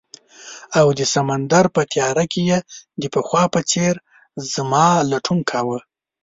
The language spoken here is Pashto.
او د سمندر په تیاره کې یې د پخوا په څیر زما لټون کاؤه